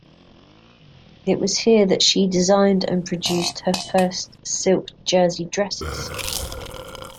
It was here that she designed and produced her first silk jersey dresses.